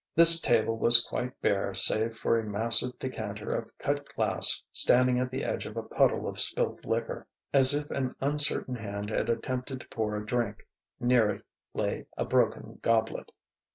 This table was quite bare save for a massive decanter of cut glass standing at the edge of a puddle of spilt liquor: as if an uncertain hand had attempted to pour a drink. Near it lay a broken goblet.